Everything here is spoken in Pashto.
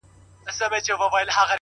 ګران د دښتونو د وفا سفر دے